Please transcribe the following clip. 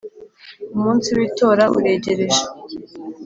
Umunsi w ‘itora uregereje